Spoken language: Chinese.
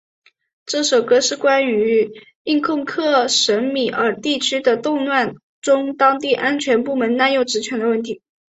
这首歌是关于印控克什米尔地区的动乱中当地安全部队滥用职权的问题。